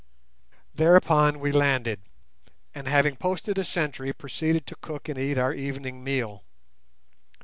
Thereupon we landed; and, having posted a sentry, proceeded to cook and eat our evening meal.